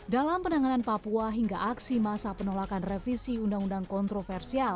dalam penanganan papua hingga aksi masa penolakan revisi undang undang kontroversial